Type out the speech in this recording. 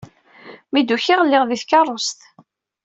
Mi d-ukiɣ lliɣ di tkeṛṛust.